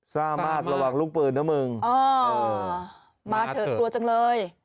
ซ่ามากระวังลูกปืนนะมึงมาเถอะกลัวจังเลย